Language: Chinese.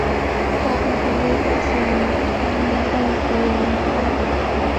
大部分威北县的土地用途为农业。